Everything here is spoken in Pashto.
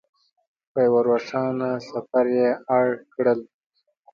په یوه روښانه سفر یې اړ کړل.